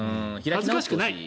恥ずかしくない。